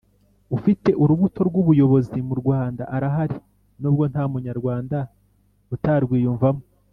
ufite urubuto rw'ubuyobozi mu rwanda arahari nubwo nta munyarwanda utarwiyumvamo,